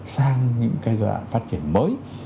sang những cái dự án phát triển mới